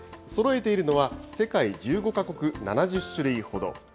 そろえているのは、世界１５か国７０種類ほど。